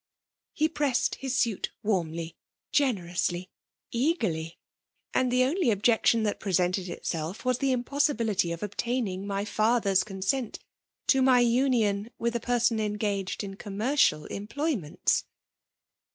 He pressed his suit warmly, — generously, — eagerly; and the only objection that presented itself was the impossibility of obtaining my father's consent to my union with a person engaged in com mercial employments.